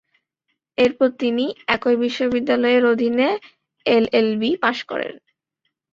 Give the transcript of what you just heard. এরপর তিনি একই বিশ্ববিদ্যালয়ের অধীনে এলএলবি পাশ করেন।